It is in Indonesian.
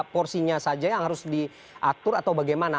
porsinya saja yang harus diatur atau bagaimana